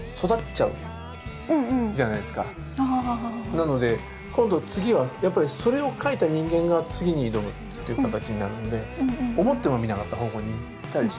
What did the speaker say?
なので今度次はやっぱりそれを描いた人間が次に挑むっていう形になるので思ってもみなかった方向にいったりしますよね。